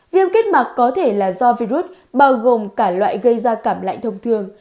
viêm kết mặt có thể là do virus bao gồm cả loại gây ra cảm lạnh thông thường